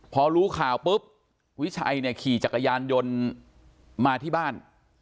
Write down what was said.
พอรู้ข่าวปุ๊บวิชัยเนี่ยขี่จักรยานยนต์มาที่บ้าน